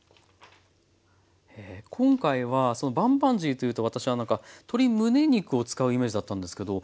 今回はバンバンジーというと私は何か鶏むね肉を使うイメージだったんですけど。